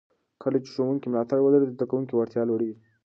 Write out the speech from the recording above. کله چې ښوونکي ملاتړ ولري، د زده کوونکو وړتیا لوړېږي.